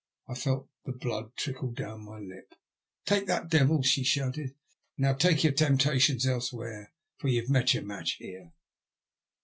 I felt the blood trickle down my lip. " Take that. Devil," she shouted ;" and now take your temptations elsewhere, for you've met your match here."